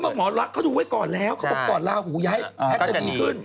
หมอลักษณ์เขาดูไว้ก่อนแล้วเขาบอกก่อนลาหูย้ายแพทย์จะดีขึ้น